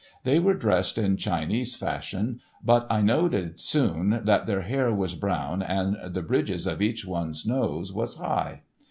They were dressed in Chinese fashion, but I noted soon that their hair was brown and the bridges of each one's nose was high.